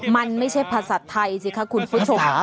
มันไม่ใช่ภาษาไทยสิคะคุณผู้ชม